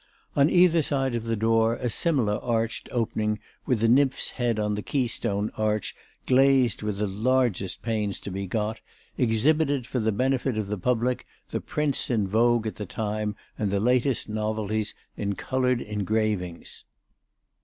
On either side of the door a similar arched opening, with a nymph's head on the keystone arch glazed with the largest panes to be got, exhibited for the benefit of the public the prints in vogue at the time and the latest novelties in coloured engravings.